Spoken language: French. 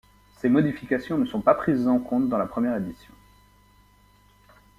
Ces modifications ne sont pas prises en compte dans la première édition.